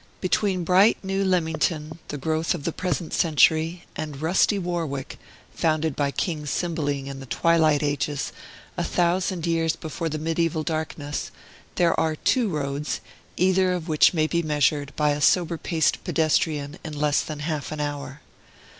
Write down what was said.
Between bright, new Leamington, the growth of the present century, and rusty Warwick, founded by King Cymbeline in the twilight ages, a thousand years before the mediaeval darkness, there are two roads, either of which may be measured by a sober paced pedestrian in less than half an hour.